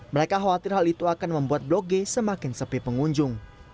mereka khawatir hal itu akan membuat blok g semakin sepi pengunjung